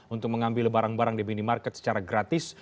untuk mengambil barang barang di minimarket secara gratis